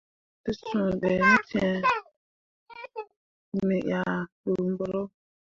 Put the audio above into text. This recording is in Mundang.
Te sũũ be ne cãã, me ah ɗuu mbǝro.